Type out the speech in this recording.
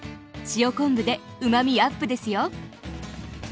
塩昆布でうまみアップですよ。